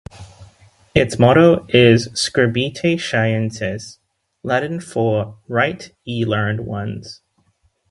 Its motto is "Scribite Scientes", Latin for "Write, Ye Learned Ones".